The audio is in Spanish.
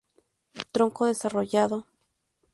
Tronco desarrollado.